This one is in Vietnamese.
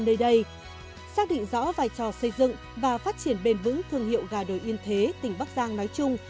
nơi đây xác định rõ vai trò xây dựng và phát triển bền vững thương hiệu gà đồi yên thế tỉnh bắc giang nói chung